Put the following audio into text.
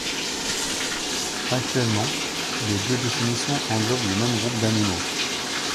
Actuellement, les deux définitions englobent le même groupe d'animaux.